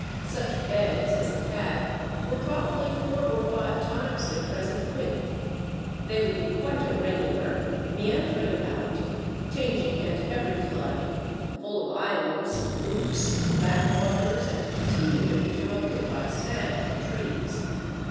Such beds as it had were probably four or five times their present width; they would be quite irregular, meandering about, changing at every flood, full of islands, loops, backwaters, and continually interrupted by snags of trees.